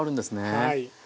はい。